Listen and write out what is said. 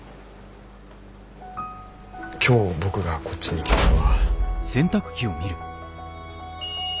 今日僕がこっちに来たのは。